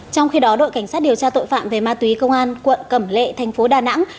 trong khi đó đội cảnh sát điều tra tội phạm về ma túy công an quận cẩm lệ thành phố đà nẵng